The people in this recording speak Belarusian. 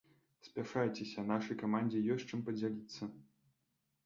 Спяшайцеся, нашай камандзе ёсць, чым падзяліцца!